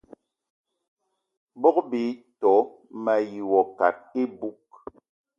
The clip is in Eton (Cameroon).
Bogb-ito mayi wo kat iboug.